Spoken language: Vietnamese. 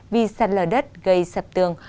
vì sạt lở đất gây sập tường